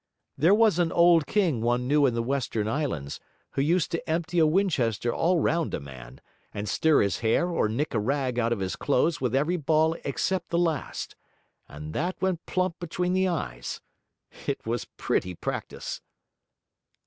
There was an old king one knew in the western islands, who used to empty a Winchester all round a man, and stir his hair or nick a rag out of his clothes with every ball except the last; and that went plump between the eyes. It was pretty practice.'